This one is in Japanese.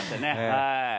はい。